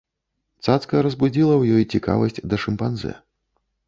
Цацка разбудзіла ў ёй цікавасць да шымпанзэ.